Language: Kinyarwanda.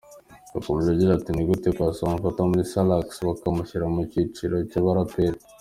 Yakomeje agira ati, Ni gute Paccy bamufata muri Salax bakamushyira mu cyiciro cyabaraperi.